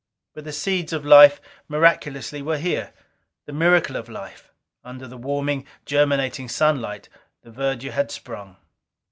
But the seeds of life miraculously were here. The miracle of life! Under the warming, germinating sunlight, the verdure had sprung.